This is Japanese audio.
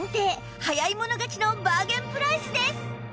早い者勝ちのバーゲンプライスです